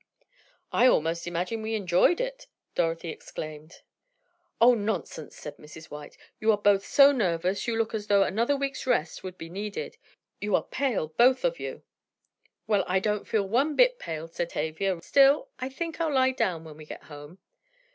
"I almost imagine we enjoyed it!" Dorothy exclaimed. "Oh, nonsense," said Mrs. White, "you are both so nervous, you look as though another week's rest would be needed. You are pale, both of you." "Well, I don't feel one bit pale," said Tavia, "Still I think I'll lie down, when we get home."